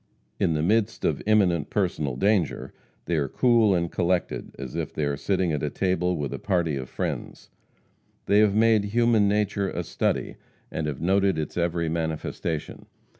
In the midst of imminent personal danger they are cool and collected as if they were sitting at a table with a party of friends. They have made human nature a study, and have noted its every manifestation.